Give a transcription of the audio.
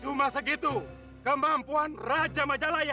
cuma segitu kemampuan raja majalaya